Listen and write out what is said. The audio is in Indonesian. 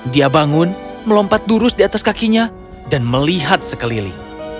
dia bangun melompat durus di atas kakinya dan melihat sekeliling